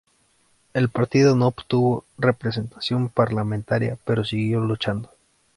El partido no obtuvo representación parlamentaria, pero siguió luchando.